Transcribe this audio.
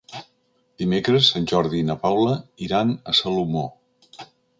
Dimecres en Jordi i na Paula iran a Salomó.